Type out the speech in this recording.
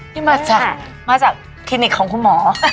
นี่มาจากทีนิกของคุณหมอ